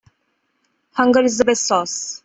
Hunger is the best sauce.